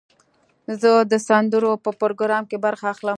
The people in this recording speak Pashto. زه د سندرو په پروګرام کې برخه اخلم.